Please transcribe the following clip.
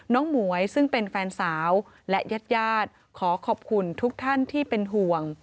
หมวยซึ่งเป็นแฟนสาวและญาติญาติขอขอบคุณทุกท่านที่เป็นห่วง